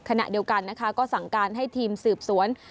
ขณะเดียวกันนะคะก็สั่งการให้ทีมสืบสวน